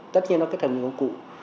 tất nhiên nó kết hợp với công cụ